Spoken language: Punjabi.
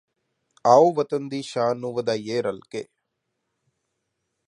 ਆਓ ਵਤਨ ਦੀ ਸ਼ਾਨ ਨੂੰ ਵਧਾਈਏ ਰੱਲ ਕੇ